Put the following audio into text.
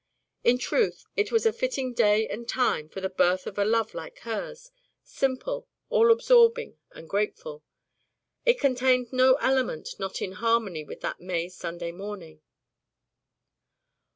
In truth, it was a fitting day and time for the birth of a love like hers, simple, all absorbing, and grateful. It contained no element not in harmony with that May Sunday morning.